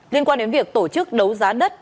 liên quan đến việc tổ chức đấu giá đất